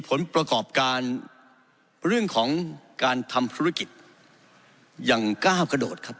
ผลประกอบการเรื่องของการทำธุรกิจยังก้าวกระโดดครับ